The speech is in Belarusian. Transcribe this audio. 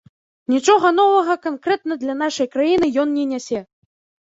Нічога новага канкрэтна для нашай краіны ён не нясе.